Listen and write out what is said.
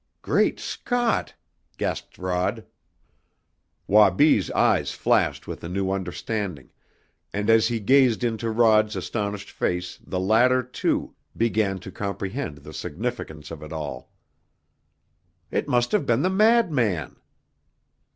"Great Scott!" gasped Rod. Wabi's eyes flashed with a new understanding, and as he gazed into Rod's astonished face the latter, too, began to comprehend the significance of it all. "It must have been the madman!"